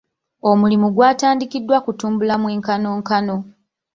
Omulimu gwatandikiddwa kutumbula mwenkanonkano.